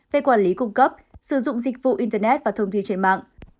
về quản lý cung cấp sử dụng dịch vụ internet và thông tin trên mạng